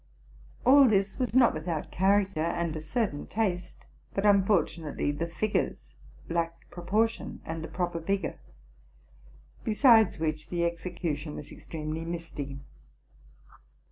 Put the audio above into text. All this was not without character and a certain taste; but unfortunately the figures lacked proportion and the proper vigor, besides which the execution was extremely misty.